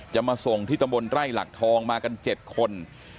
จะมาส่งที่ตำบลไร่หลักทองมากัน๗คน